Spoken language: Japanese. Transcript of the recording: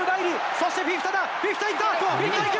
そしてフィフィタだ、フィフィタいった、いく！